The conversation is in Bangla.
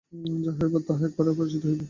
যাহা হইবার তাহা একেবারেই প্রকাশিত হইবে।